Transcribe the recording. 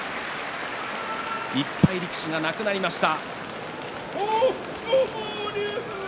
１敗力士がいなくなりました。